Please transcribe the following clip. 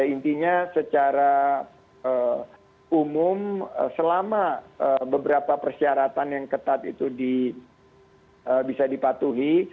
intinya secara umum selama beberapa persyaratan yang ketat itu bisa dipatuhi